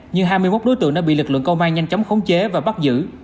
nhưng hai mươi một đối tượng đã bị lực lượng công an nhanh chóng khống chế và bắt giữ